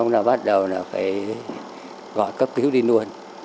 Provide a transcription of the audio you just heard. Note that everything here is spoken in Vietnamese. nó bắt đầu gọi cấp cứu đi luôn